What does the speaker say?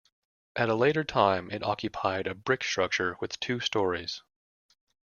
At a later time it occupied a brick structure with two stories.